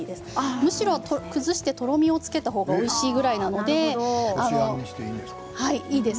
むしろ崩して、とろみをつけたぐらいがおいしいくらいです。